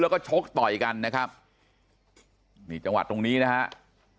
แล้วก็ชกต่อยกันนะครับนี่จังหวัดตรงนี้นะครับ